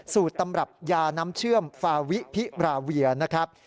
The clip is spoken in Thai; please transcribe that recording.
ตำรับยาน้ำเชื่อมฟาวิพิราเวียนะครับ